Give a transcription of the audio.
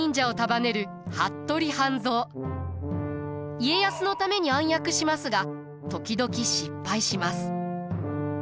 家康のために暗躍しますが時々失敗します。